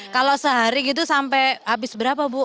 kalau sehari gitu sampai habis berapa bu